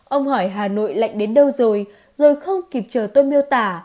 ông hỏi hà nội lạnh đến đâu rồi rồi không kịp chờ tôi miêu tả